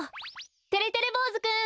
てれてれぼうずくん！